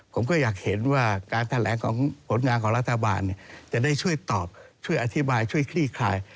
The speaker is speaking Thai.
ผมก็อยากเห็นว่าการแถลงของผลงานของรัฐบาลจะได้ช่วยตอบช่วยอธิบายช่วยคลี่คลาย